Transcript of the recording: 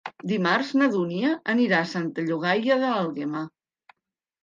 Dimarts na Dúnia anirà a Santa Llogaia d'Àlguema.